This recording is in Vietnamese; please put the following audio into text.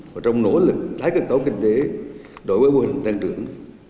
và trong nỗ lực tái cơ cấu kinh tế đối với mô hình tăng trưởng